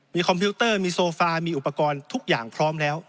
มีคอมพิวเตอร์มีโซฟามีอุปกรณ์ทุกอย่างพร้อมแล้ว